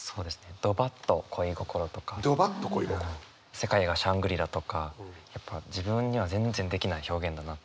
「世界がシャングリラ」とかやっぱ自分には全然できない表現だなって。